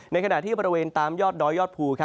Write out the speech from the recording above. ในขณะที่บริเวณตามยอดดอยยอดภู